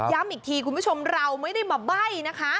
อีกทีคุณผู้ชมเราไม่ได้มาใบ้นะคะ